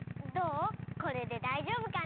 これでだいじょうぶかな？